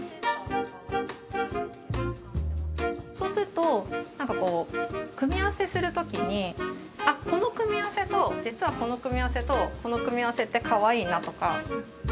そうするとなんかこう組み合わせする時にあこの組み合わせと実はこの組み合わせとこの組み合わせってかわいいなとか。